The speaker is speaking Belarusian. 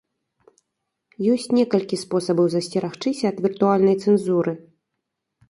Ёсьць некалькі спосабаў засьцерагчыся ад віртуальнай цэнзуры.